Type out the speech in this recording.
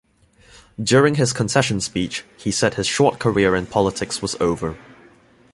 During his concession speech, he said his short career in politics was over.